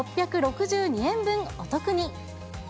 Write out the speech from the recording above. ６６２円分お得に。